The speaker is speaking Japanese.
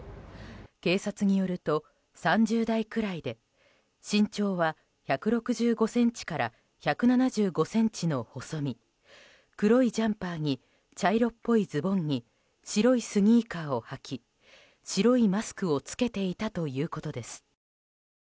警察によると、３０代くらいで身長は１６５ｃｍから１７５ｃｍの細身黒いジャンパーに茶色っぽいズボンに白いスニーカーを履き白いマスクを着けていたということです。